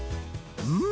うん。